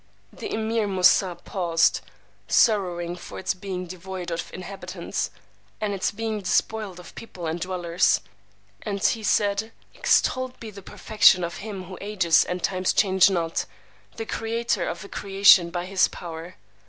The Emeer Moosà paused, sorrowing for its being devoid of inhabitants, and its being despoiled of people and dwellers; and he said, Extolled be the perfection of Him whom ages and times change not, the Creator of the creation by his power!